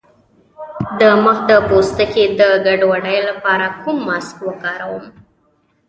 د مخ د پوستکي د ګډوډۍ لپاره کوم ماسک وکاروم؟